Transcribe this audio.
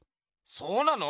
そうなの？